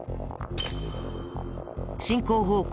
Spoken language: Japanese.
進行方向